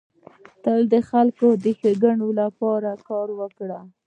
تل د خلکو د ښيګڼي لپاره کار وکړه.